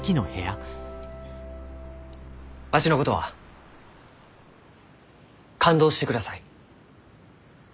わしのことは勘当してください。